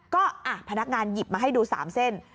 ก็พนักงานหยิบมาให้ดู๓เส้น